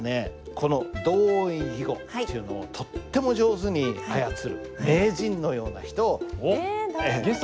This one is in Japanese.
この同音異義語っていうのをとっても上手に操る名人のような人を。